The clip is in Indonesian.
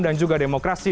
dan juga demokrasi